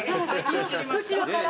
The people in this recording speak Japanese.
どちらから？